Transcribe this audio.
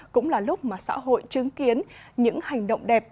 cũng là lúc mà xã hội chứng kiến những hành động đẹp